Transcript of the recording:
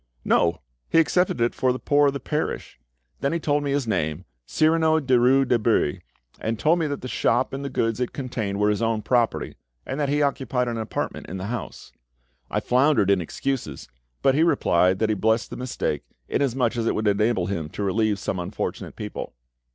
"No; he accepted it for the poor of the parish. Then he told me his name, Cyrano Derues de Bury, and told me that the shop and the goods it contained were his own property, and that he occupied an apartment in the house. I floundered in excuses, but he replied that he blessed the mistake, inasmuch as it would enable him to relieve some unfortunate people.